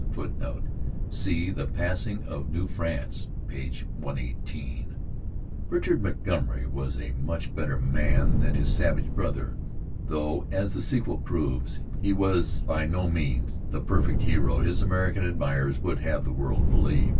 [Footnote: See The Passing of New France, p. 118.] Richard Montgomery was a much better man than his savage brother; though, as the sequel proves, he was by no means the perfect hero his American admirers would have the world believe.